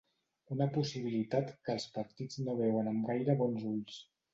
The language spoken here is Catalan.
Una possibilitat que els partits no veuen amb gaire bons ulls.